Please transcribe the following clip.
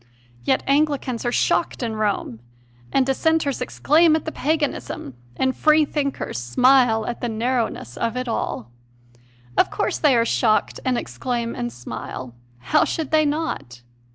Yet Anglicans are shocked in Rome, and Dissenters exclaim at the paganism, and Free thinkers smile at the narrow CONFESSIONS OF A CONVERT 157 ness of it all. Of course they are shocked and exclaim and smile. How should they not?